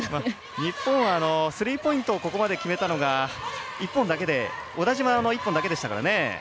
日本はスリーポイントをここまで決めたのが小田島の１本だけでしたからね。